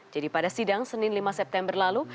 jadi pada sidang senin lima september lalu